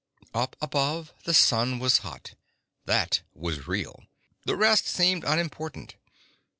Up above the sun was hot. That was real. The rest seemed unimportant.